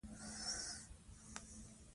هیڅ ابهام نه پریږدي.